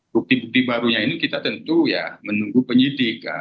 bukti bukti barunya ini kita tentu ya menunggu penyidik